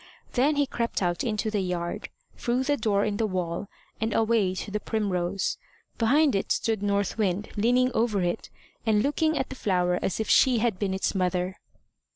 Then he crept out into the yard, through the door in the wall, and away to the primrose. Behind it stood North Wind, leaning over it, and looking at the flower as if she had been its mother.